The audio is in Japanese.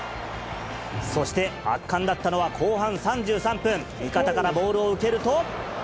そして、圧巻だったのは後半３３分、味方からボールを受けると。